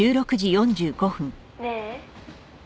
「ねえ」